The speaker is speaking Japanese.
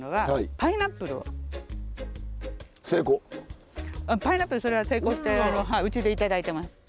パイナップルそれは成功してうちで頂いてます。